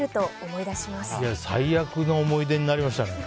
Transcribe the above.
最悪の思い出になりましたね。